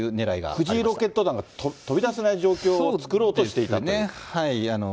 藤井ロケット弾が飛び出せない状況を作ろうとしていたという。